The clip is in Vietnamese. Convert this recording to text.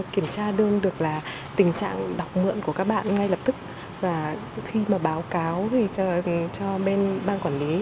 kiểm tra đơn được là tình trạng đọc mượn của các bạn ngay lập tức và khi mà báo cáo về cho bên ban quản lý